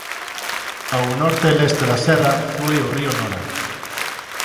Ao norte e leste da serra flúe o río Nora.